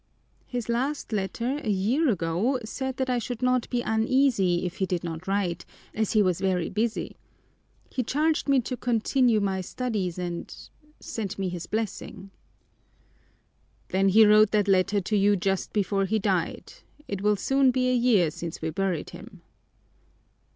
"His last letter, a year ago, said that I should not be uneasy if he did not write, as he was very busy. He charged me to continue my studies and sent me his blessing." "Then he wrote that letter to you just before he died. It will soon be a year since we buried him."